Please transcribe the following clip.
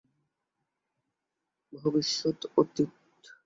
ঘরোয়া প্রথম-শ্রেণীর পাকিস্তানি ক্রিকেটে করাচি ও সিন্ধু দলের প্রতিনিধিত্ব করেন।